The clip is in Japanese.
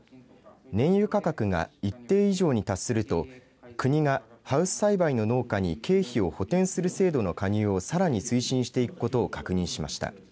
燃油価格が一定以上に達すると国がハウス栽培の農家に経費を補てんする制度の加入をさらに推進していくことを確認しました。